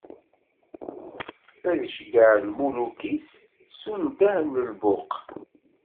Ad iceggeɛ lmuluk-is s undah n lbuq.